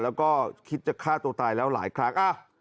แล้วก็คิดจะฆ่าตัวตายแล้วหลายครั้ง